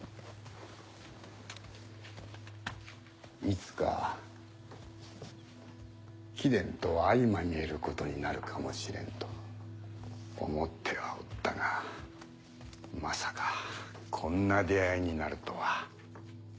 いつか貴殿と相まみえることになるかもしれんと思ってはおったがまさかこんな出会いになるとは。